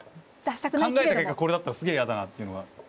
考えた結果これだったらすげえ嫌だなっていうのが。